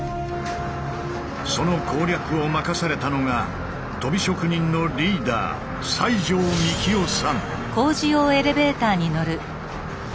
その攻略を任されたのがとび職人のリーダー西城さん！